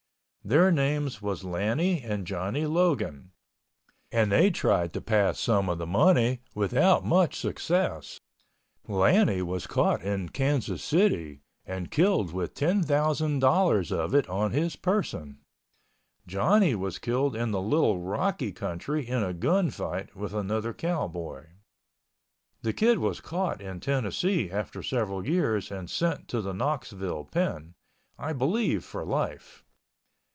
Their names was Lannie and Johnny Logan, and they tried to pass some of the money without much success. Lannie was caught in Kansas City and killed with $10,000 of it on his person. Johnny was killed in the Little Rocky country in a gun fight with another cowboy. The Kid was caught in Tennessee after several years and sent to the Knoxville pen—I believe for life.